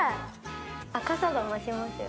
赤さが増しますよね。